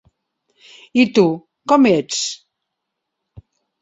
I tu, com ets?